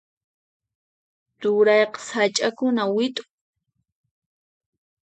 Turayqa sach'akuna wit'uq.